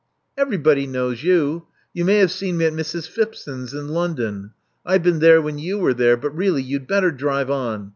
"Everybody knows you. You may have seen me at Mrs. Phipson's, in London. I've been there when you were there. But really you'd better drive on.